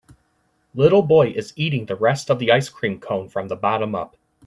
Little boy is eating the rest of the ice cream cone from the bottom up.